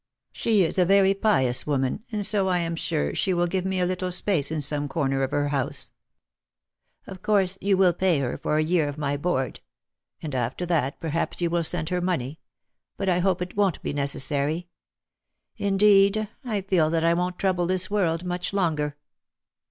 She is a very pious woman and so I am sure she will give me a little space in some corner of her house. Of course you will pay her for a year of my board. And after that perhaps you will send her money. But I hope it won't be necessary. Indeed, I feel that I won't trouble this world much longer."